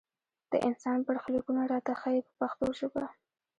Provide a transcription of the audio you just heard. د انسان برخلیکونه راته ښيي په پښتو ژبه.